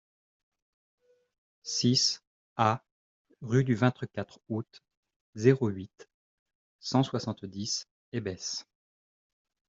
six A rue du vingt-quatre Août, zéro huit, cent soixante-dix, Haybes